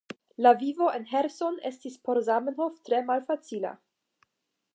La vivo en Ĥerson estis por Zamenhof tre malfacila.